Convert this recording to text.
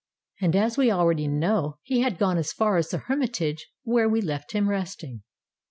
And as we already know, he had gone as far as the hermitage, where we left him resting.